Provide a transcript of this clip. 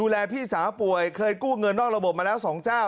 พี่สาวป่วยเคยกู้เงินนอกระบบมาแล้ว๒เจ้า